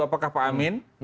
apakah pak amin